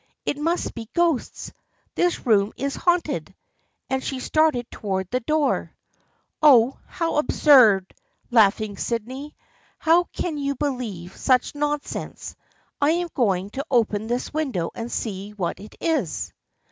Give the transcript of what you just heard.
" It must be ghosts ! This room is haunted !" And she started towards the door. " Oh, how absurd !" laughed Sydney. " How can you believe such nonsense ! I am going to open the window and see what it is."